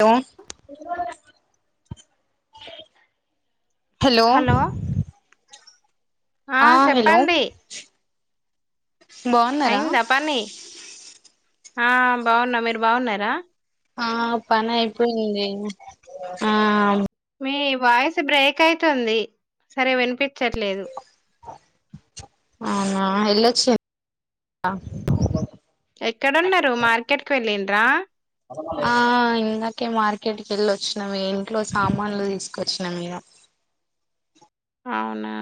హో [inaudible] హలో ఆ హలో బాగున్నారా అయిందా పని ఆ బాగున్నా మీరు బాగున్నారా ఆ పని అయిపోయింది ఆ మీ వాయిస్ బ్రేక్ అయితుంది సరిగా వినిపించట్లేదు అవున అల్లోచి అక్కడ ఉన్నారు మార్కెట్ కి వేలింద్ర ఆ ఇందకే మార్కెట్కి వెళ్ళి వచ్చినమ ఇంట్లో సామాన్లు తీసుకొచ్చినాము ఇగ [inaudible] అవునా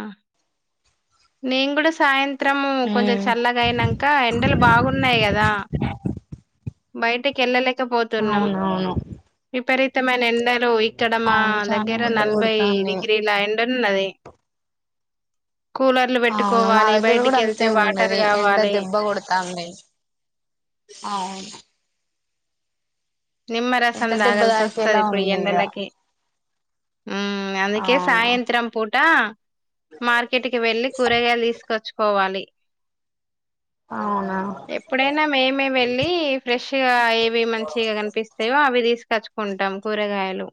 నేన్ కూడా సాయంత్రము కొంచెం ఉమ్ చల్లగా అయినాక ఎండలు బాగున్నాయి కదా బయటకి ఎళ్లలేక అవునవును విపరీతమైన ఎండలు ఇక్కడ మా అవును చానా దగ్గర ఎండ నలభై కొడతాంది డిగ్రీల ఎండలు ఉన్నది అవును మా పెట్టుకోవాలి దగ్గర బయటికి కూడా వెళ్తే అంతే వాటర్ ఉన్నది ఎండ కావాలి దెబ్బ కొడతాంది అవును నిమ్మరసం ఎండ దెబ్బ తాగాల్సొస్తది తాకేలా ఇప్పుడు ఈ ఉంది ఇగ ఎండలకి హ్మ్ అందుకే అవును సాయంత్రం పూటా మార్కెట్ కి వెళ్లి కూరగాయలు తీసుకొచ్చుకోవాలి అవునా ఎప్పుడైనా మేమే వెళ్ళి ఫ్రెష్ గా ఏవి మంచిగా కనిపిస్తాయో అవి తీసుకు తెచ్చుకుంటాం కూరగాయలు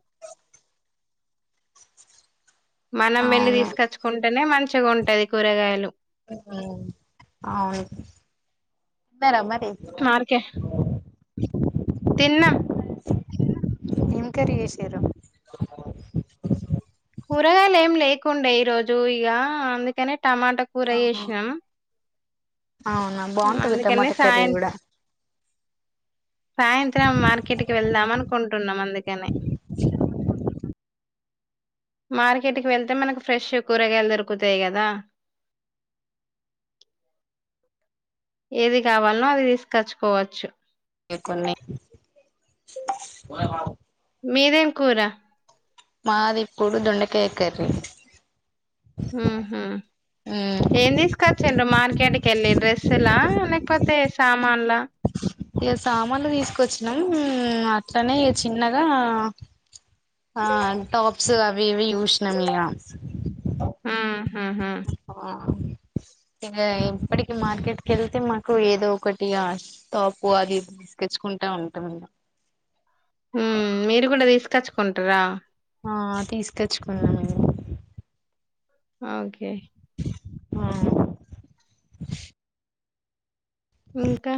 మనం వెళ్లి అవును తీసుకచ్చుకుంటేనే మంచిగా ఉంటది కూరగాయలు ఉమ్ అవును మరి తిన్నారా మరి మేము ఆరుకే తిన్నామ్ ఏం కర్రీ చేశారు కూరగాయలు ఏం లేకుండే ఈరోజు ఇగ అందుకనే టమాటా కూర ఆహా చేసినామ్ అవునా బాగుంటది అందుకనే టమాటా కర్రీ సాయం కూడా సాయంత్రం మార్కెట్ కి వెళ్దాం అనుకుంటున్నాం అందుకనే [inaudible] మార్కెట్ కి వెళ్తే మనకు ఫ్రెష్ కూరగాయలు దొరుకుతాయి కదా అ [inaudible] ఏది కావాలి నో అది తీసుకచ్చుకోవచ్చు ఈ కొన్ని కూరగాయలు మీదేం కూరా మాదిప్పుడు దొండకాయ కర్రీ హ్మ్ హు ఉమ్ ఏం తీసుకచ్చిండ్రు మార్కెట్ కి వెళ్ళి డ్రెస్సులా లేక కొత్తయి సామాన్లు ఇగ సామాన్లు తీసుకొచ్చినాం అట్లనే చిన్నగా ఆ టాప్స్ అవి ఇవి చూసినం ఇగ హ్మ్ హు ఆ ఇక ఇప్పటికి మార్కెట్కి వెళ్తే మాకు ఏదో ఒకటి టాపు అది తెచ్చుకుంటా ఉంటాము ఉమ్ మీరు కూడా తీసుకచ్చుకుంటారా ఆ తీసుకచ్చుకున్నామ్ మేము ఆ ఓకే ఆ ఆ ఇంకా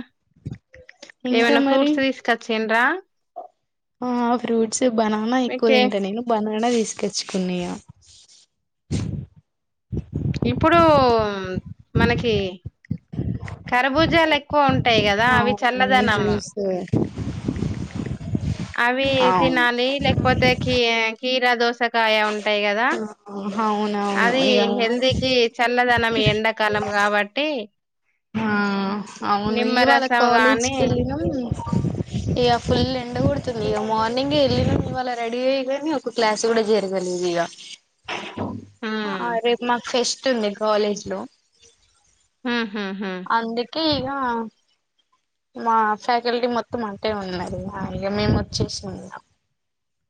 ఇంకా ఏమైనా మరి ఫ్రూట్స్ తీసుకచ్చిండ్రా ఆ ఫ్రూట్స్ బనానా ఎక్కువ ఓకే తింట నేను బ మన తీసుక వచ్చుకున్నాయా ఇప్పుడు మనకి ఖర్బుజాలు ఎక్కువ ఉంటా ఉంటాయి కదా అవి అవును చల్లదనము జ్యూస్ అవి అవును తినాలి లేకపోతే కీ కీరా దోసకాయ ఉంటు ఉంటాయి కదా ఆ అవునవును అది ఇగ హెల్తీకి చల్లదనం ఎండాకాలం కాబట్టి ఆ అవును ఇవాళ నిమ్మరసం గాని కాలేజీకి వెళ్ళినాము ఇక ఫుల్ ఎండగొడుతుంది ఇక మార్నింగ్ వెళ్ళినా ఇవాళ రెడీ అయిగాని ఒక క్లాస్ కూడా జరగలేదు ఇగ హ్మ్ రేపు మాకు ఫెస్ట్ ఉంది కాలేజ్ లో ఉహు హు హు ఇగా మా ఫ్యాకల్టీ మొత్తం అటే ఉన్న ఇగా మేము వచ్చేసిన్నం, ఇగా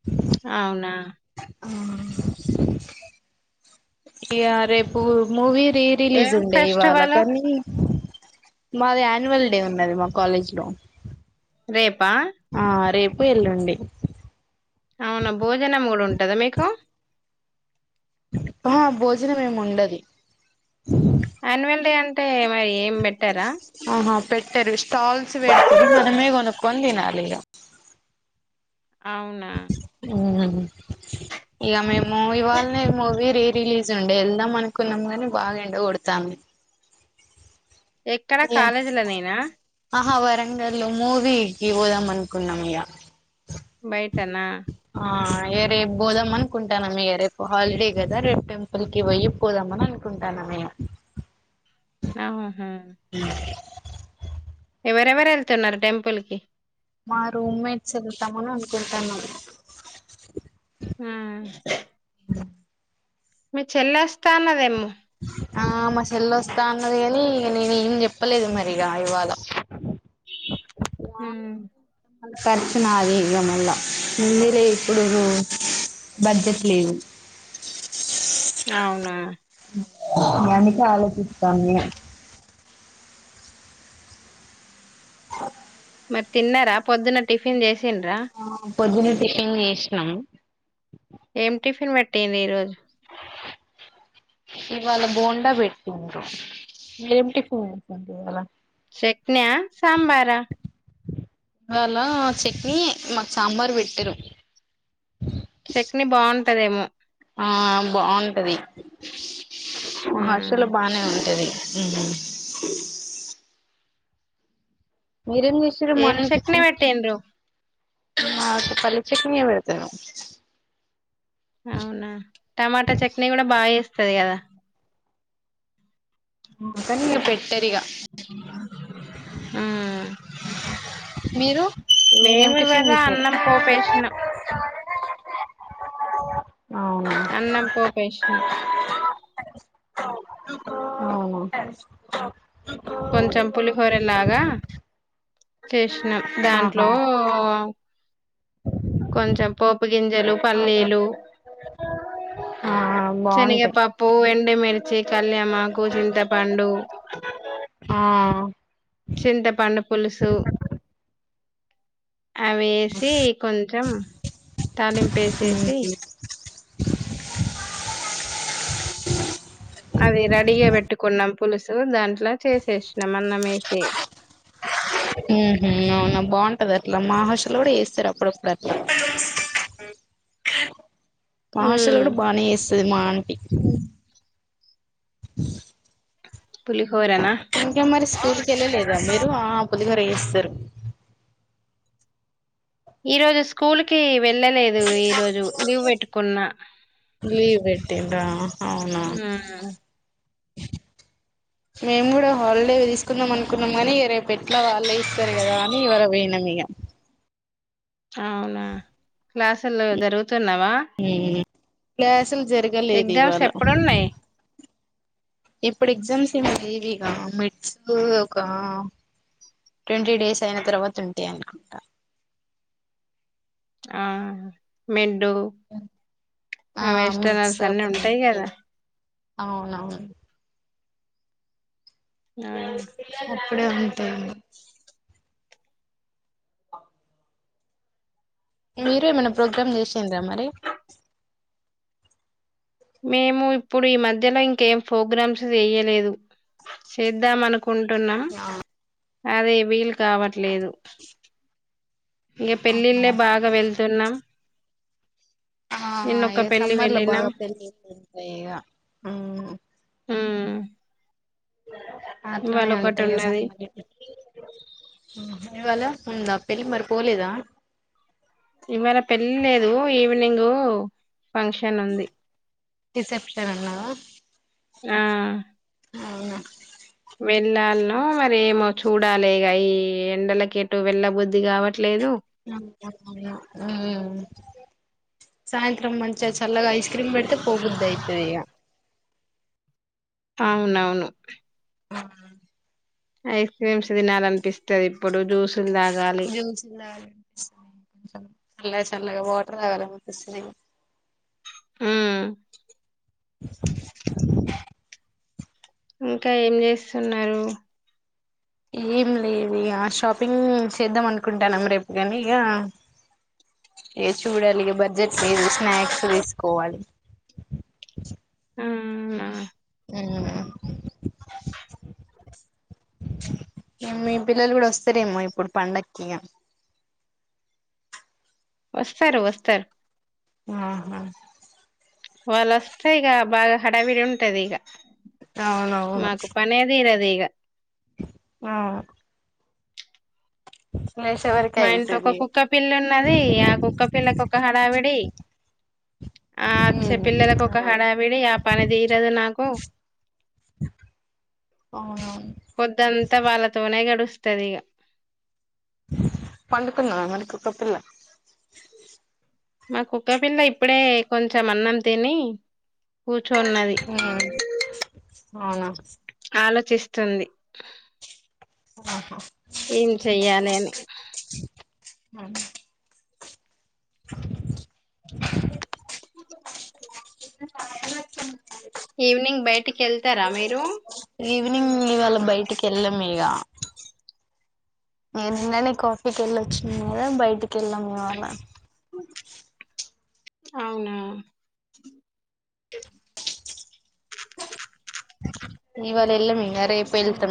[unintelligible] అవునా ఊ ఇగా రేపు మూవీ రీ రిలీజ్ ఏం ఉండే ఇవాళ ఫెస్టివల్ కొన్ని మాది యాన్యువల్ డే ఉన్నది, మా కాలేజ్ లో రేపా ఆ రేపు, ఎల్లుండి అవునా భోజనం కూడా ఉంటదా మీకు ఆ భోజనం ఏమి ఉండదు, యాన్యువల్ డే అంటే అక్కడ ఏం పెట్టారా, తేర స్టాల్స్ పేడతరు మనమే కొన్నుకొన్ని తిన్నాలిగా, అవునా ఊ ఇగా మీ మమ్మీ వాళ్ళనే మూవీ రీ రిలీజ్ ఉండే వెళ్దాం అనుకున్నాం, గాని బాగా ఎండకోడతందిగా, ఎక్కడ ఇగా కాలేజీలనేనా ఆహా వ వరంగల్లో మూవీకి పోదాం అనుకున్నాం, ఇగా బయటనా ఆ రేపు పోదాం అనుకుంటాన్నం రేపు హాలిడే కదా రేపు టెంపుల్ కి పోయి పోదామని అనుకుంటున్నా, ఉంటానము ఇగా ఆహా ఎవరెవరు వెళ్తున్నారు టెంపుల్ కి మా రూమ్ మేట్స్ వెళ్తామని అనుకుంటాన్నం, ఆ [unintelligible] మీ చెల్లే వస్తా అన్నదేమో [unintelligible] ఆ మా చెెల్ల వస్తాన్నది కాని నేను ఏం చెప్పలేదు మరి ఇక ఇవాళ హు తప్పు నాదె ఇగ మళ్ల ముందె చేప్పుడు, బడ్జెట్ లేవు అవునా ఇగా అందుకే ఆలోచిస్తాన్న, ఇగా అ మరి తిన్నారా పొద్దున్న టిఫిన్ చేసిండ్రా పొద్దున టిఫిన్ చేసినాం ఏం టిఫిన్ పెట్టింది, ఈ రోజు [unintelligible] ఇవాళ బోండా పెట్టిండు మీరేమిటిఫిన్ చేసారు ఇవాళ, చెక్నా, సాంబారా ఇవాళ చట్నీ మాకు సాంబార్ పెట్టిరు. చట్నీ బాగుంటదేమో ఆ బాగుంటది ఉమ్ హాస్టలా బానే ఉంటది. ఉ మీరేం చేసిర్రు ఏం మార్నింగ్ చట్నీ టిఫిన్ పెట్టిండ్రు ఆ ఉత్త పల్లి చట్నీ నే పెడతారు. అవునా టమాటా చట్నీ కూడా బాగా చేస్తది కదా, కాని పెట్టరిగా, ఆ మీరు మీరేం టిఫిన్ తీసిర్రు అన్నం పోపేసినాం అవునా అన్నం పోపేసిన ఆ కొంచెం పులిహోరలాగా చేసినా దాంట్లో ఆహా కొంచెం పోపు గింజలు పల్లీలు ఆ బాగుంటాయి శనగపప్పు ఎండుమిర్చి కల్యామకుచింతపండు ఆ చింత పండు పులుసు అవేసి కొంచెం తలిింపు వేసేసి ఉహు అది రెడీగా పెట్టుకున్నాం పులుసు దాంట్ల చేసేసినం మ్ హు అవున బాగుంటది అట్లా మా హాస్టల్లో కూడా చెస్తారు అప్పుడప్పుడు అట్లా మా హాస్టల్లో ఉమ్ కూడా బానే చేస్తది మా ఆంటి పులి హోరనా టూర్కి వెళ్ళలేదా మీరు ఆ పులిహోర చెస్తారు ఈ రోజు స్కూల్ కి వెళ్ళలేదు ఈరోోజు లీవ్ పెట్టుకున్న లీవ్ పెట్టిన్ర్ర అవునా ఉమ్ మేము కూడా హాలిడే తీసుకుందాం అనుకున్నాంగని ఇగ రేపు ఎట్లా వాళ్ళే ఇస్తారు కదా అని ఇవ్వాళ పోయిన ఇగ అవునా క్లాసుల్లో జరుగుతున్నావా ఉమ్ క్లాసులు జరగలేదు ఎగ్జామ్స్ ఇవాళ ఎప్పుడున్నాయి ఇప్పుడు ఎగ్జామ్స్ ఎం లేవిగా మెట్స్ ఒక ట్వంటీ డేస్ అయిన తర్వాత ఉంటాయి అనుకుంటా ఆ మెడ్ టు ఆ మిడ్స్ వెేస్టనర్స్ అన్నిీ అప్పుడు ఉంటాయి కదా అవునవును ఆ ఇప్పుడే ఉంటాయి మీరు ఏమైనా ప్రోగ్రామ్ చేసిండ్రా మరి మేము ఇప్పుడు ఈ మధ్యల ఇంకేం ప్రోగ్రామ్స్ చేయలేదు చేద్దాం అనుకు కుంటున్నా ఆ అదే వీలు కావట్లేదు ఇంక పెళ్ళిళ్ళే బాగా వెళ్తున్నా ఆహ ఇగ పెళ్లి సమ్మర్ లో వెళ్ళినాం బాగా పెళ్లిళ్లు ఉంటాయి ఇగ ఉమ్ ఇవాళ అట్లనే ఒకటి ఉంటాయి ఇగ ఉన్నది సమ్మర్ లా ఇవాళ ఉందా పెళ్లి మరి పోలేదా నింగ్ ఫంక్షన్ ఉంది రీసెప్షన్ అన్నావా అవునా వెళ్ళాల్నో మరేమో చూడాలే ఈ ఎండలకి ఎటు వెళ్ళబుద్ది కావట్ హు సాయంత్ త్రం మంచిగా చల్లగా ఐస్ క్రీమ్ పెడితే పోబుద్ది అయితది ఇగ అవునవును హుమ్మ్ ఐస్ క్రీమ్స్ తినాలనిపిస్తది ఇప్పుడు జ్యూస్ జ్యూ చల్లగా చల్లగా వాటర్ తాగాలనిపిస్తది మ్మ్ ఇంకా ఏం చేస్తున్నారు ఏం లేదు ఇక షాపింగ్ చేద్దాం అనుకుంటానం రేపు కానీ ఇక ఏ చూడాలిగ బడ్జెట్ మీదు స్నాక్స్ తీసుకోవాలి మ్మ్ ఆ మ్మ్ మీ పిల్లలు కూడా వస్తారేమో ఇప్పుడు పండక్కి ఇగా వస్తారు వస్తారు ఆహా వాళ్ళోస్తే ఇక బాగా హడావిడి ఉంటది ఇక మాకు పనే తీరదు ఇగ అవును వరకే మా ఇంట్లో ఒక అయితది ఇగ కుక్క పిల్ల ఉన్నది ఆ కుక్క పిల్లకి ఒక హడావిడి ఆ అచ్చే పిల్లలకు ఒక అవును హడావిడి ఆ పని తీరదు నాకు అవునవును పొద్దంతా వాళ్ళతోనే గడుస్తది ఇక పండుకుంద మరి కుక్క పిల్ల మా కుక్క పిల్ల ఇప్పుడే కొంచెం అన్నం తిని కూర్చోన్నది ఉమ్ అవునా ఆలో చిస్తుంది ఏం చెయ్యాలి అని మ్మ్ ఈవినింగ్ బయటికి వెళ్తారా మీరు ఈవినింగ్ ఇవాళ బయటికి వెళ్ళలేం మిగా నేను నిన్ననే కాఫీకి వెళ్ళొచ్చినను కదా బయటికి వెళ్ళాం ఇవాళ మ అవునా ఓక ఇవాళ [unintelligible] రేపు వెళ్తాం